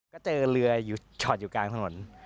ก็เจอเรือจอดอยู่กลางถนน